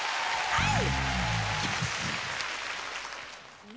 はい！